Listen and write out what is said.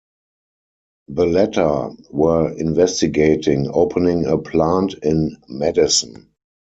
The latter were investigating opening a plant in Madison.